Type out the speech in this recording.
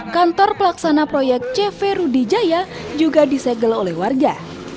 kantor pelaksana proyek cv rudy jaya juga disegel oleh warga